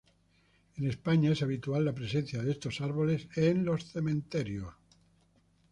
En España es habitual la presencia de estos árboles en los cementerios.